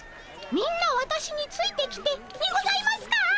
「みんなわたしについてきて」にございますか？